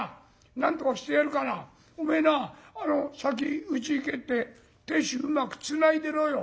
なんとかしてやるからおめえな先うちへ帰って亭主うまくつないでろよ。